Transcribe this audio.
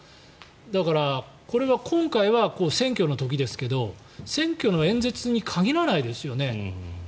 だから、これが今回は選挙の時ですけれど選挙の演説に限らないですよね。